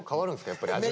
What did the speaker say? やっぱり味は。